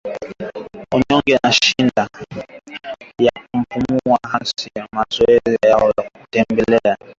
Unyonge na shida ya kupumua hasa baada ya mazoezi au kutembea au kukimbia